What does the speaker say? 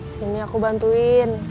sini aku bantuin